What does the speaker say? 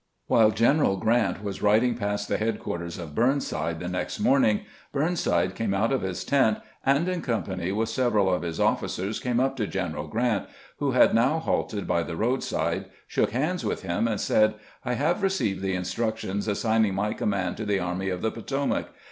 While General MAJOR GBNEKAL HENRY W. HALLECK. A From a photograph. BESTBOYING A KAILROAD 145 Grrant was riding past the headquarters of Burnside the next morning, Burnside came out of his tent, and in company with several of his officers came up to General Grrant, who had now halted by the roadside, shook hands with him, and said :" I have received the instructions assigning my command to the Army of the Potomac.